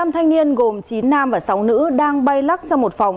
một mươi năm thanh niên gồm chín nam và sáu nữ đang bay lắc trong một phòng